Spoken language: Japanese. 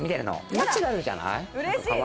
ナチュラルじゃない？